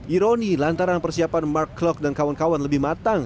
ironi lantaran persiapan mark klok dan kawan kawan lebih matang